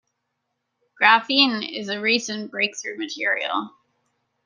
Graphene is a recent break-through material.